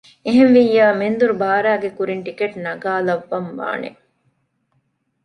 އެހެންވިއްޔާ މެންދުރު ބާރައިގެ ކުރިން ޓިކެޓް ނަގާލައްވަން ވާނެ